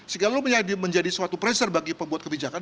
sehingga lu menjadi suatu pressure bagi pembuat kebijakan